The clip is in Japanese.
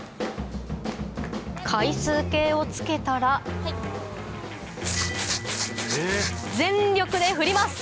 回数計をつけたら全力で振ります